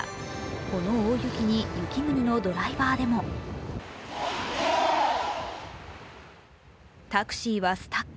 この大雪に雪国のドライバーでもタクシーはスタック。